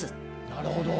なるほど。